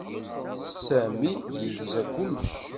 Sami yegza kullec.